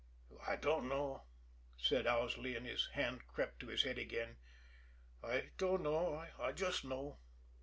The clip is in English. "I dunno," said Owsley, and his hand crept to his head again. "I dunno I just know."